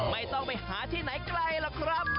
ไม่ต้องไปหาที่ไหนไกลหรอกครับ